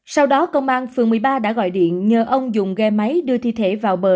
sau đó công an phường một mươi ba đã gọi điện nhờ ông dùng ghe máy đưa thi thể vào bờ